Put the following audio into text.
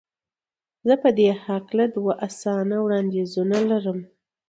زه په دې هکله دوه اسانه وړاندیزونه لرم.